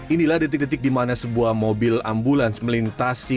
inilah detik detik di mana sebuah mobil ambulans melintasi